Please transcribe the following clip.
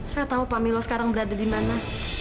saya tahu pak milo sekarang berada di mana